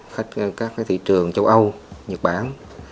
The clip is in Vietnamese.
khách các thị trường châu âu nhật bản